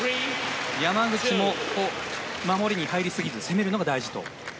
山口も、守りに入りすぎず攻めるのが大事と。